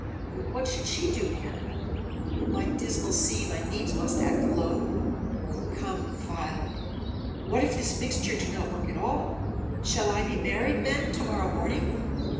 What should she do here? My dismal scene I needs must act alone. Come, phial. What if this mixture do not work at all, Shall I be married, then, to morrow morning?